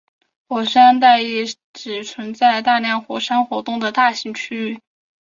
火山带意指存在大量火山活动的大型区域。